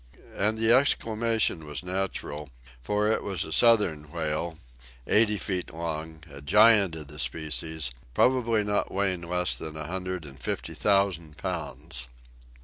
And the exclamation was natural, for it was a southern whale, eighty feet long, a giant of the species, probably not weighing less than a hundred and fifty thousand pounds!